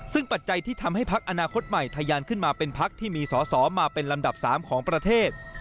ซึ่งปัจจัยที่ทำให้พักอนาคตใหม่ทะยานขึ้นมาเป็นพักที่มีสอสอมาเป็นลำดับ๓ของประเทศ